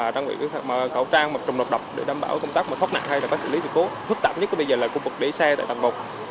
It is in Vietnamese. trang bị cầu trang mặt trồng độc độc để đảm bảo công tác thoát nạn hay xử lý sự cố thức tạm nhất bây giờ là khu vực để xe tại tầng một